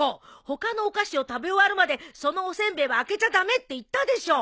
他のお菓子を食べ終わるまでそのお煎餅は開けちゃ駄目って言ったでしょ！